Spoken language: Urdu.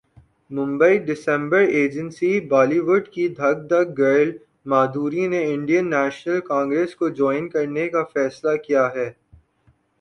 ممبئی ڈسمبرایجنسی بالی ووڈ کی دھک دھک گرل مادھوری نے انڈین نیشنل کانگرس کو جائن کرنے کا فیصلہ کیا ہے